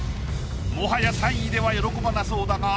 もはや３位では喜ばなそうだが。